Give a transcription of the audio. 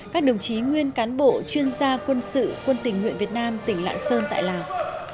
các đồng chí nguyên cán bộ chuyên gia quân sự quân tỉnh nguyện việt nam tỉnh lạng sơn tại lào